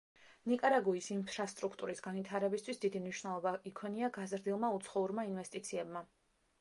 ნიკარაგუის ინფრასტრუქტურის განვითარებისთვის დიდი მნიშვნელობა იქონია გაზრდილმა უცხოურმა ინვესტიციებმა.